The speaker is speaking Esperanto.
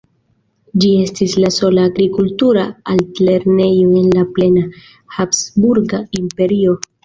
Ĝi estis la sola agrikultura altlernejo en la plena Habsburga Imperio.